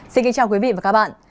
xin kính chào quý vị và các bạn